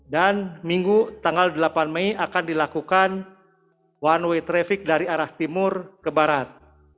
dan minggu tanggal delapan mei akan dilakukan one way traffic dari arah timur ke barat